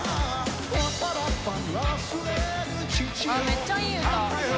めっちゃいい歌。